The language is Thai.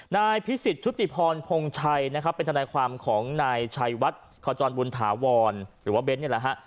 นายพิศิษฐุติภรพงษ์ชัยเป็นท่านายความของนายชัยวัดคบุญถาวรหรือว่าเบนท์นี่แหละ